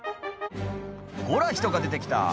ほら人が出て来た！